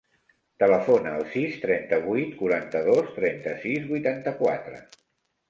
Telefona al sis, trenta-vuit, quaranta-dos, trenta-sis, vuitanta-quatre.